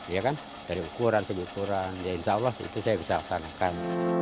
ya kan dari ukuran sekuran ya insya allah itu saya bisa laksanakan